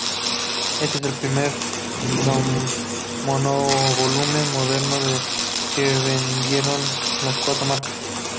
Éste es el primer monovolumen moderno que vendieron las cuatro marcas.